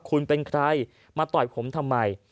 คุณเป็นใครมาต่อยผมทำไม